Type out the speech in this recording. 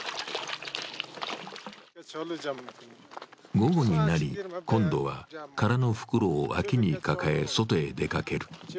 午後になり、今度は空の袋を脇に抱え、外へ出かける。